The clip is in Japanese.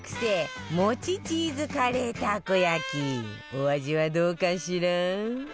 お味はどうかしら？